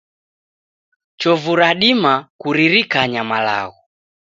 Chovu radima kuririkanya malagho